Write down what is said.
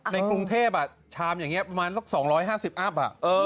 ในกรุงเทพชามอย่างนี้ประมาณสัก๒๕๐อัพ